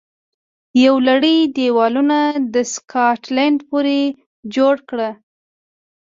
یوه لړۍ دېوالونه د سکاټلند پورې جوړه کړه